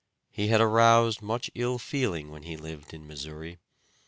He had aroused much ill feeling when he lived in Missouri.